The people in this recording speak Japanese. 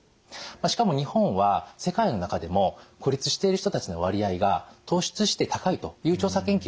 しかも日本は世界の中でも孤立している人たちの割合が突出して高いという調査研究もあるんですね。